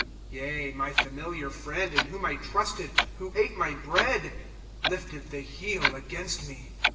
^ Yea, my familiar friend, in whom I trusted, Who ate my bread, lifted the heel against me.